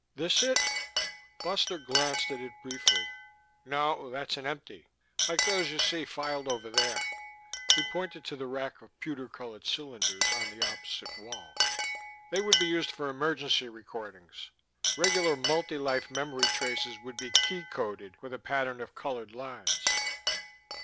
"This it?" Foster glanced at it briefly. "No, that's an empty like those you see filed over there." He pointed to the rack of pewter colored cylinders on the opposite wall. "They would be used for emergency recordings. Regular multi life memory traces would be key coded with a pattern of colored lines."